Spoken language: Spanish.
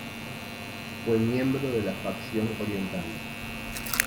Fue miembro de la Facción Oriental.